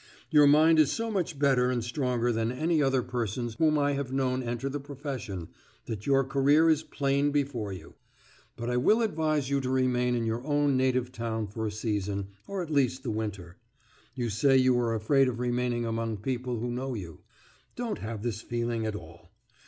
Your mind is so much better and stronger than any other person's whom I have known enter the profession, that your career is plain before you. But I will advise you to remain in your own native town for a season, or at least the winter. You say you are afraid of remaining among people who know you. Don't have this feeling at all.